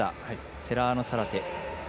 セラーノサラテ。